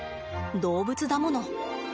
動物だもの。